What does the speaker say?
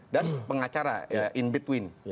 dan pengacara ya in between